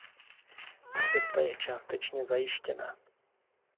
Cesta je částečně zajištěna.